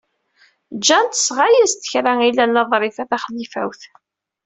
Jane tesɣa-as-d kra i Lalla Ḍrifa Taxlifawt.